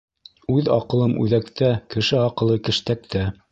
Үҙ аҡылым үҙәктә, кеше аҡылы кештәктә.